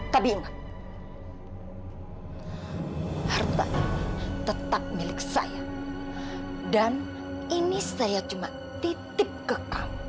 tapi ingat harta tetap milik saya dan ini saya cuma titip ke kamu